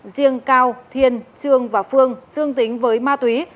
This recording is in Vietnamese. riêng cao thiên trường và phương dương tính với ma túy